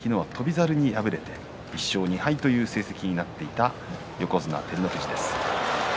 初日勝ったあと、おととい錦木昨日は翔猿に敗れて１勝２敗という成績になっていた横綱照ノ富士です。